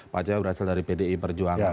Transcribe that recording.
pak ceo berasal dari pdi perjuangan